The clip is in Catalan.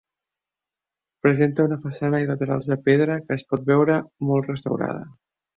Presenta una façana i laterals de pedra que es pot veure molt restaurada.